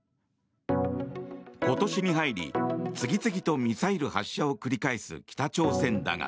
今年に入り、次々とミサイル発射を繰り返す北朝鮮だが